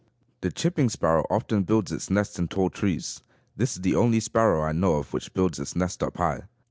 The chipping sparrow often builds its nest in tall trees. This is the only sparrow I know of, which builds its nest up high.